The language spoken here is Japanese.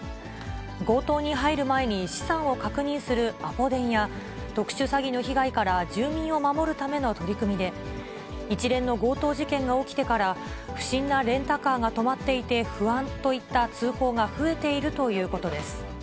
強盗に入る前に資産を確認するアポ電や、特殊詐欺の被害から住民を守るための取り組みで、一連の強盗事件が起きてから、不審なレンタカーが止まっていて不安といった通報が増えているということです。